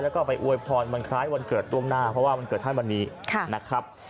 แล้วก็ไปอวยพรวันคล้ายวันเกิดล่วงหน้าเพราะว่าวันเกิดท่านวันนี้นะครับ